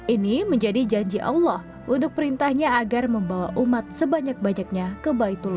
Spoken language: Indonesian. ini menjadi janji allah untuk perintahnya agar membawa umat sebanyak banyaknya ke baitullah